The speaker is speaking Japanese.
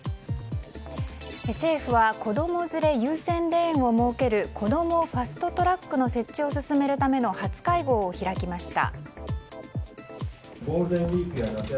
政府は子供連れ優先レーンを設けるこどもファスト・トラックの設置を進めるための初会合を開きました。